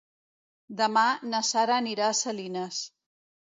Demà na Sara anirà a Salines.